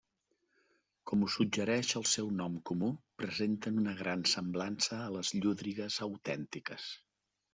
Com ho suggereix el seu nom comú, presenten una gran semblança a les llúdries autèntiques.